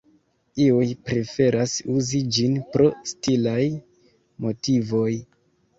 Iuj preferas uzi ĝin pro stilaj motivoj.